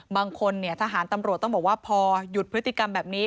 บางคนทหารตำรวจต้องบอกว่าพอหยุดพฤติกรรมแบบนี้